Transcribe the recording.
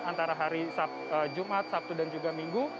antara hari jumat sabtu dan juga minggu